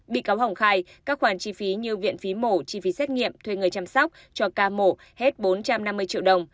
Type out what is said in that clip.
bị cáo hồng khai các khoản chi phí như viện phí mổ chi phí xét nghiệm thuê người chăm sóc cho ca mổ hết bốn trăm năm mươi triệu đồng